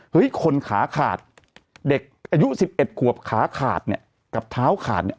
เฮ้ยคนขาขาดเด็กอายุสิบเอ็ดกว่าขาขาดเนี่ยกับเท้าขาดเนี่ย